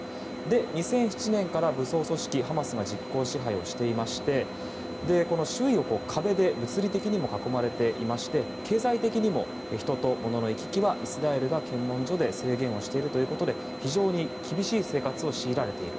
２００７年から武装組織ハマスが実効支配をしていまして周囲を壁で物理的にも囲まれていまして経済的にも人との物の行き来はイスラエル側が制限をしているということで非常に厳しい生活を強いられている。